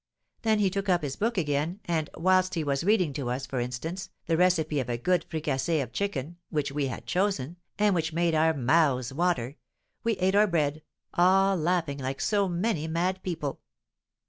Then he took up his book again, and, whilst he was reading to us, for instance, the recipe of a good fricassée of chicken, which we had chosen, and which made our mouths water, we ate our bread, all laughing like so many mad people."